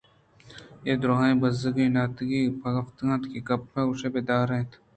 اے دُرٛاہیں بزّگ ناگتی پاد اتک اَنت کہ گپے گوش بہ دار اَنت